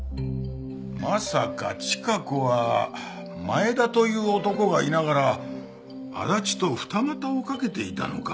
まさかチカ子は前田という男がいながら足立と二股をかけていたのか？